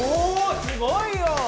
すごいよ。